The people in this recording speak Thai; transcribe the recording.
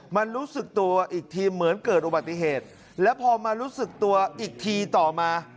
มันรู้สึกตัวอีกทีเหมือนเกิดอุบัติเหตุแล้วพอมารู้สึกตัวอีกทีต่อมา